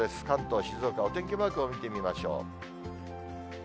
関東、静岡、お天気マークを見てみましょう。